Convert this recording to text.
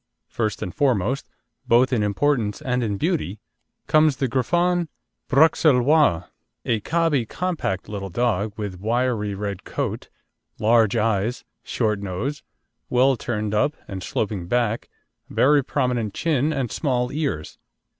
First and foremost, both in importance and in beauty, comes the Griffon Bruxellois, a cobby, compact little dog, with wiry red coat, large eyes, short nose, well turned up, and sloping back, very prominent chin, and small ears.